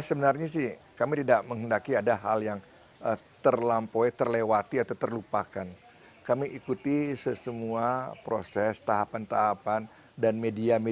ulang pakaian duit majang ring yang siwurahidin